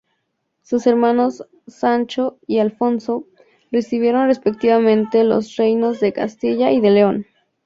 Sus hermanos Sancho y Alfonso recibieron respectivamente los reinos de Castilla y de León.